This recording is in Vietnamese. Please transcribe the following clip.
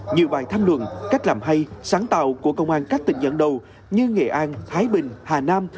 nhiều bài tham luận cách làm hay sáng tạo của công an các tỉnh dẫn đầu như nghệ an thái bình hà nam